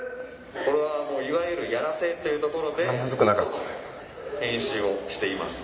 これはいわゆるやらせっていうところで嘘の編集をしています。